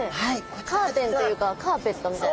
カーテンというかカーペットみたいな。